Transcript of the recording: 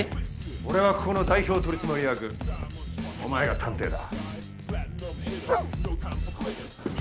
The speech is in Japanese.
俺はここの代表取締役お前が探偵だ。